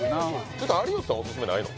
ちょっと有吉さんオススメないの？